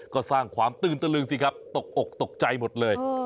ก็สร้างความตื่นตะลึงสิครับตกอกตกใจหมดเลย